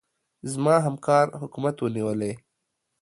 زما همکار حکومت ونيولې.